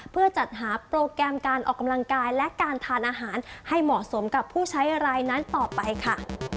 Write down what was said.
เพื่อจัดหาโปรแกรมการออกกำลังกายและการทานอาหารให้เหมาะสมกับผู้ใช้รายนั้นต่อไปค่ะ